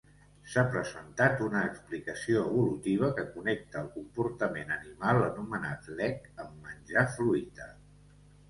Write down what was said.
S'ha presentat una explicació evolutiva que connecta el comportament animal anomenat lek amb menjar fruita.